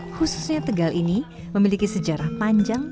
khususnya tegal ini memiliki sejarah panjang